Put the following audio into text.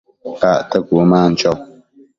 acte cuëman cho